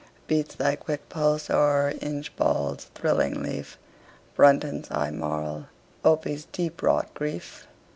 Beats thy quick pulse o'er Inchbald's thrilling leaf, Brunton's high moral, Opie's deep wrought grief?